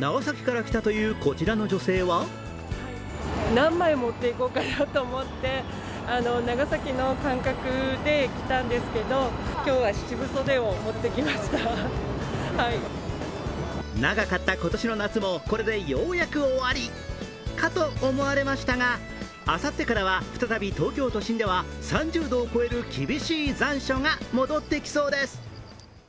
長崎から来たというこちらの女性は長かった今年の夏もこれでようやく終わりかと思われましたがあさってからは再び東京都心では３０度を超える厳しい残暑が戻ってきそうです。